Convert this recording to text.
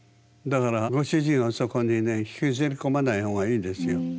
だからご主人をそこにね引きずり込まないほうがいいですよ。